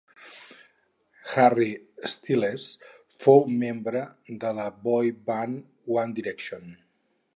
Harry Styles fou membre de la boy band One Direction.